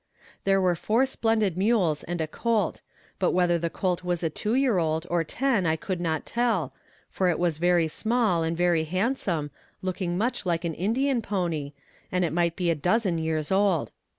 There were four splendid mules and a colt, but whether the colt was a two year old or ten I could not tell, for it was very small and very handsome, looking much like an Indian pony, and it might be a dozen years old.